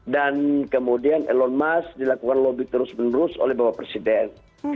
kemudian elon musk dilakukan lobby terus menerus oleh bapak presiden